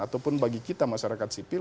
ataupun bagi kita masyarakat sipil